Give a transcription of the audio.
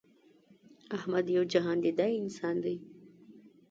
احمد یو جهان دیده انسان دی.